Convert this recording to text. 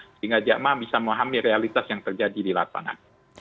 sehingga jamaah bisa memahami realitas yang terjadi di lapangan